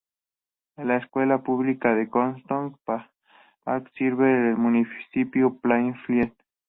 Las Escuelas Públicas de Comstock Park sirve el municipio de Plainfield.